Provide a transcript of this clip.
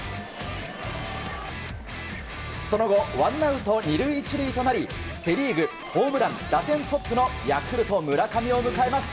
その後ワンアウト２塁１塁となりセ・リーグホームラン、打点トップのヤクルト村上を迎えます。